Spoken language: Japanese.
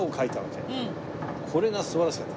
これが素晴らしかった。